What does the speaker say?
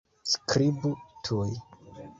Skribu tuj.